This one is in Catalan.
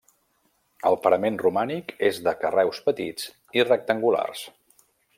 El parament romànic és de carreus petits i rectangulars.